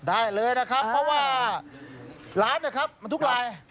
ได้เลยนะครับเพราะว่าร้านนะครับมันทุกลาย